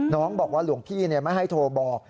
น้องบอกว่าหลวงพี่ไม่ให้โทรบอก